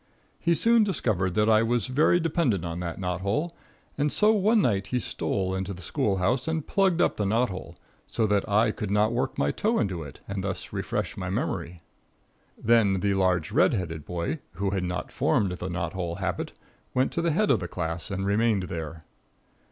He soon discovered that I was very dependent on that knot hole, and so one night he stole into the school house and plugged up the knot hole, so that I could not work my toe into it and thus refresh my memory. Then the large red headed boy, who had not formed the knot hole habit went to the head of the class and remained there.